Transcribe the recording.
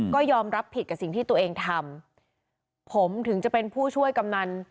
ก็ยอมรับผิดกับสิ่งที่ตัวเองทำผมถึงจะเป็นผู้ช่วยกำนัน